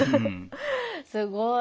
すごい。